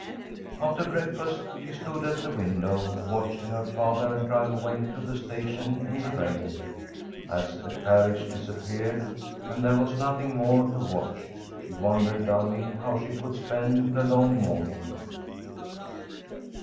After breakfast she stood at the window, watching her father drive away to the station in the rain. As the carriage disappeared and there was nothing more to watch, she wondered dully how she could spend the long morning.